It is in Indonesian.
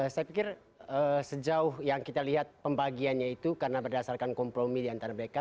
saya pikir sejauh yang kita lihat pembagiannya itu karena berdasarkan kompromi diantara mereka